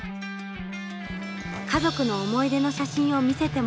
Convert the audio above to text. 家族の思い出の写真を見せてもらうと。